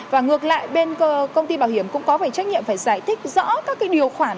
và ngược lại bên công ty bảo hiểm cũng có phải trách nhiệm phải giải thích rõ các điều khoản